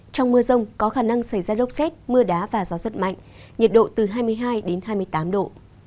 trong mưa rông có khả năng xảy ra lốc xét mưa đá và gió rất mạnh nhiệt độ từ hai mươi hai đến hai mươi tám độ